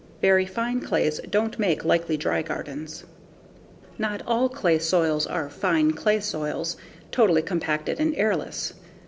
Very fine clays don't make likely dry gardens. Not all clay soils are "fine clay soils," totally compacted and airless.